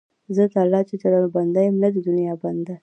زه د الله جل جلاله بنده یم، نه د دنیا بنده.